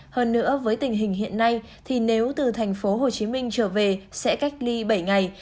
hơn nữa với tình hình hiện nay thì nếu từ thành phố hồ chí minh trở về sẽ cách ly bảy ngày